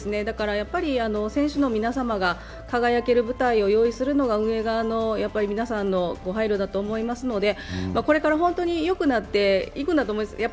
だから選手の皆様が輝ける舞台を用意するのが運営側の皆さんのご配慮だと思いますのでこれから本当によくなっていくんだと思います。